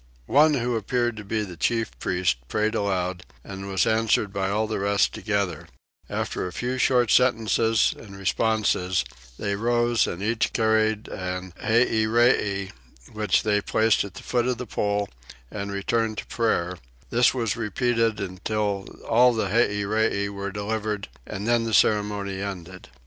One who appeared to be the chief priest prayed aloud, and was answered by all the rest together: after a few short sentences and responses they rose and each carried an Hahyree, which they placed at the foot of the pole and returned to prayer: this was repeated till all the Hahyree were delivered and then the ceremony ended.